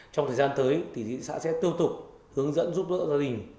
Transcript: trong thời gian tới thì thị xã sẽ tư tục hướng dẫn giúp đỡ gia đình